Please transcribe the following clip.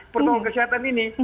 protokol kesehatan ini